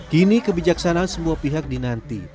kini kebijaksanaan semua pihak dinanti